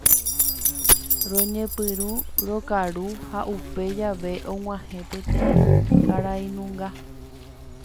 Roñepyrũ rokaru ha upe jave og̃uahẽ peteĩ karainunga.